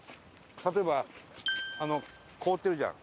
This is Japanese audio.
例えばあの凍ってるじゃん。